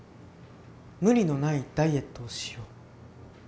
無理のないダイエットをしよう。